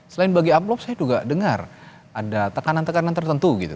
selain bagi amplop saya juga dengar ada tekanan tekanan tertentu gitu